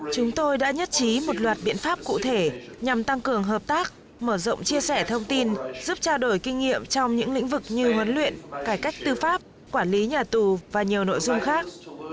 chúng tôi đã nhất trí một loạt biện pháp cụ thể nhằm tăng cường hợp tác mở rộng chia sẻ thông tin giúp trao đổi kinh nghiệm trong những lĩnh vực như huấn luyện cải cách tư pháp quản lý nhà tù và nhiều nội dung khác